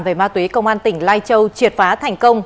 về ma túy công an tỉnh lai châu triệt phá thành công